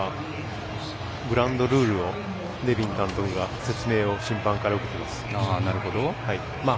今、グラウンドルールネビン監督が審判から受けています。